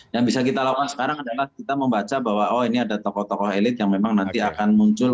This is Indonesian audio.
yang bisa kita lakukan sekarang adalah kita membaca bahwa oh ini ada tokoh tokoh elit yang memang nanti akan muncul